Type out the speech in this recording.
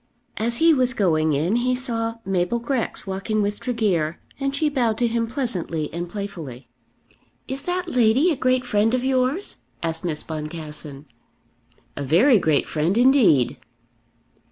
As he was going in he saw Mabel Grex walking with Tregear, and she bowed to him pleasantly and playfully. "Is that lady a great friend of yours?" asked Miss Boncassen. "A very great friend indeed."